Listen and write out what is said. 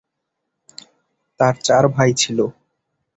তার চার ভাই ছিল।